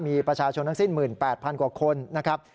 มีประชาชนทั้งสิ้น๑๘๐๐กว่าคนนะครับ